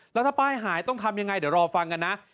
แล้วถ้าป้ายหายต้องทำยังไงเดี๋ยวรอฟังกันนะ